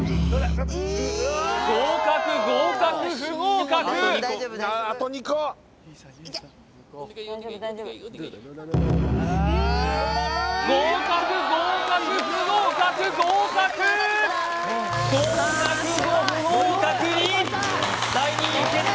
合格合格不合格合格合格不合格合格合格５不合格２第２位活〆